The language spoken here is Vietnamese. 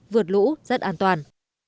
vượt lũ rất an toàn